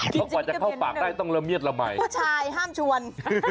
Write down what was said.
เพราะกว่าจะเข้าปากได้ต้องละเมียดละมัยผู้ชายห้ามชวน